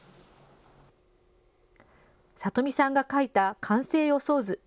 里見さんが描いた完成予想図。